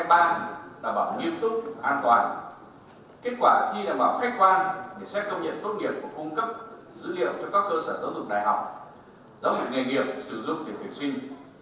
kết quả thi là bảo khách quan để xét công nghiệp tốt nghiệp và cung cấp dữ liệu cho các cơ sở giáo dục đại học giáo dục nghề nghiệp sử dụng để tuyển sinh